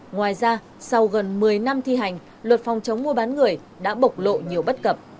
ngoài ra sau gần một mươi năm thi hành luật phòng chống mua bán người đã bộc lộ nhiều bất cập